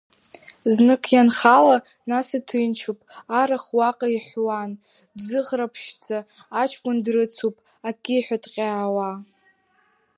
Знык ианхала, нас иҭынчуп, Арахә уаҟа иҳәуан, Дӡыӷраԥшьӡа аҷкәын дрыцуп, Акиҳәа дҟьауа.